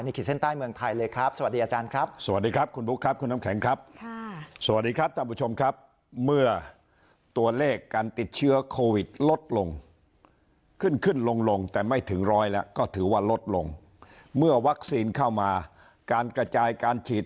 ในขีดเส้นใต้เมืองไทยเลยครับสวัสดีอาจารย์ครับ